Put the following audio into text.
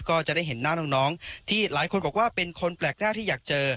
ก็จะได้เห็นหน้าน้องที่หลายคนบอกว่าเป็นคนแปลกหน้าที่อยากเจอ